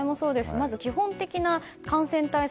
まず基本的な感染対策